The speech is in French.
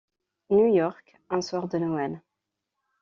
New York, un soir de Noël.